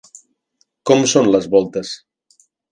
Com són les voltes?